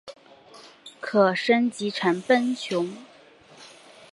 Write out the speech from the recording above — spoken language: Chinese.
可升级成奔熊。